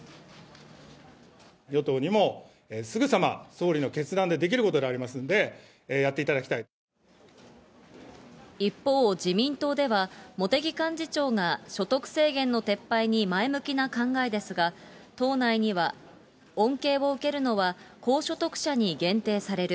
与党にもすぐさま総理の決断でできることでありますので、や一方、自民党では茂木幹事長が所得制限の撤廃に前向きな考えですが、党内には、恩恵を受けるのは高所得者に限定される。